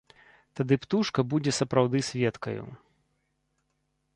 Тады птушка будзе сапраўды сведкаю.